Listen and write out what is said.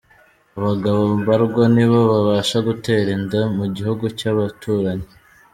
Abagabo mbarwa nibo babasha gutera inda Mugihugu Cyabaturanyi